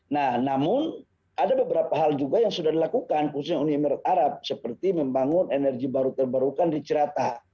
nah namun ada beberapa hal juga yang sudah dilakukan khususnya uni emirat arab seperti membangun energi baru terbarukan di cerata